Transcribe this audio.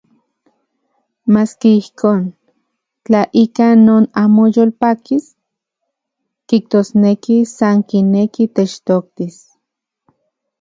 Maski ijkon, tla ika non amo yolpakis, kijtosneki san kineki techtoktis.